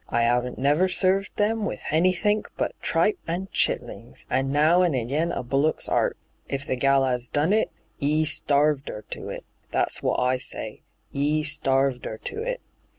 I 'aven't never served them with hanythink but tnpe and chitlings, and now an' i^n a bullock's 'eart. If the gal 'as done it, 'e starved 'er to it : that's wot I say — 'e starved 'er to it.